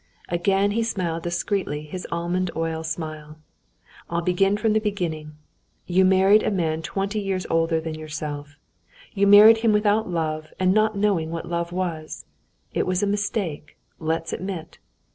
Again he smiled discreetly his almond oil smile. "I'll begin from the beginning. You married a man twenty years older than yourself. You married him without love and not knowing what love was. It was a mistake, let's admit."